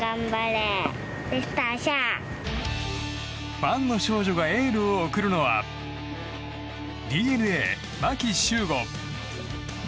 ファンの少女がエールを送るのはＤｅＮＡ、牧秀悟。